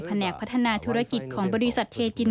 แหนกพัฒนาธุรกิจของบริษัทเทจิน